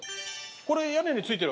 これ屋根に付いてる。